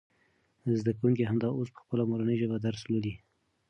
زده کوونکي همدا اوس په خپله مورنۍ ژبه درس لولي.